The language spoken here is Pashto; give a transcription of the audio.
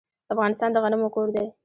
افغانستان د غنمو کور دی.